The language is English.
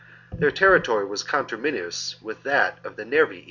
Their territory was conterminous with that of the Nervii.